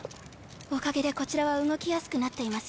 おかげでこちらは動きやすくなっています。